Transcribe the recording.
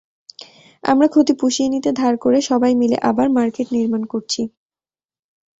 আমরা ক্ষতি পুষিয়ে নিতে ধার করে সবাই মিলে আবার মার্কেট নির্মাণ করছি।